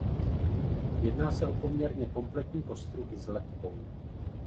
Jedná se o poměrně kompletní kostru i s lebkou.